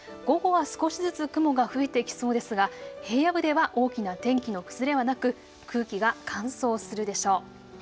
午後は少しずつ雲が増えていきそうですが平野部では大きな天気の崩れはなく、空気が乾燥するでしょう。